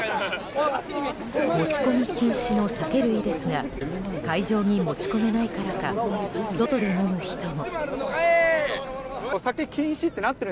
持ち込み禁止の酒類ですが持ち込めないからか外で飲む人も。